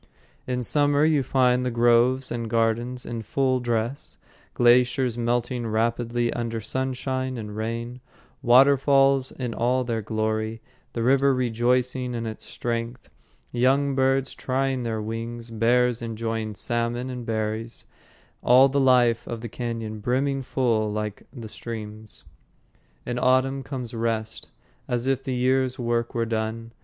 In summer you find the groves and gardens in full dress; glaciers melting rapidly under sunshine and rain; waterfalls in all their glory; the river rejoicing in its strength; young birds trying their wings; bears enjoying salmon and berries; all the life of the cañon brimming full like the streams. In autumn comes rest, as if the year's work were done.